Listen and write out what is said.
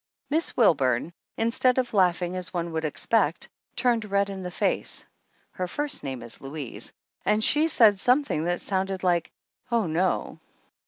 Miss Wilburn, instead of laughing as one would expect, turned red in the face (her first name is Louise) and said something that sounded like "Oh no